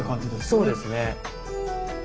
そうですね。